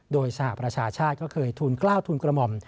โดยสหประชาชาติก็เคยทุนกล้าวทุนกระหม่อม